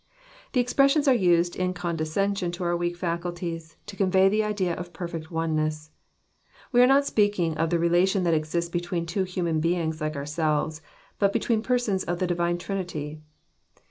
The expressions are used in condescension to our weak faculties, to convey the idea of perfect oneness. We are not speaking of the relation that exists between two human beings like ourselves, but between the Persons in the Divine Trinity.